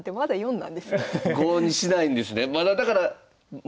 ５にしないんですね。